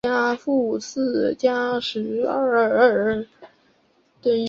舱外活动开始及结束时间均为协调世界时时区。